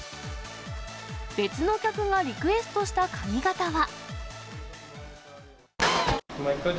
別の客がリクエストした髪形は。